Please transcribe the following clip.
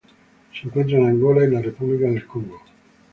Se encuentra en Angola y la República del Congo.